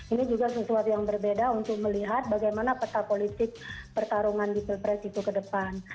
ini juga sesuatu yang berbeda untuk melihat bagaimana peta politik pertarungan di pilpres itu ke depan